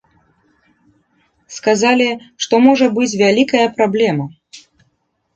Сказалі, што можа быць вялікая праблема.